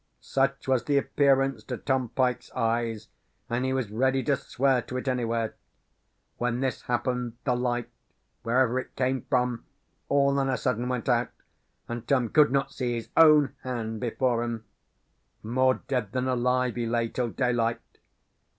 "Such was the appearance, to Tom Pyke's eyes, and he was ready to swear to it, anywhere. "When this happened, the light, wherever it came from, all on a sudden went out, and Tom could not see his own hand before him. "More dead than alive, he lay till daylight.